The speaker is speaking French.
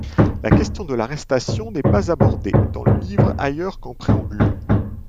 La question de l’arrestation n'est pas abordée dans le livre ailleurs qu’en préambule.